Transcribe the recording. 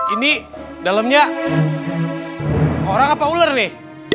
ini dalamnya orang apa ular nih